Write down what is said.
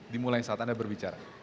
dimulai saat anda berbicara